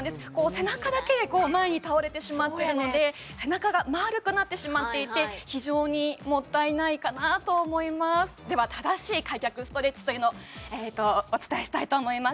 背中だけで前に倒れてしまってるので背中が丸くなってしまっていて非常にもったいないかなと思いますでは正しい開脚ストレッチというのをお伝えしたいと思います